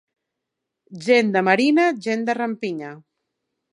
Gent de marina, gent de rampinya.